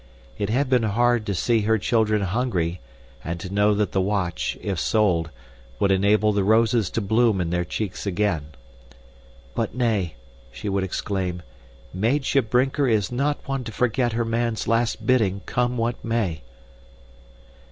It had been hard to see her children hungry and to know that the watch, if sold, would enable the roses to bloom in their cheeks again. "But nay," she would exclaim, "Meitje Brinker is not one to forget her man's last bidding, come what may."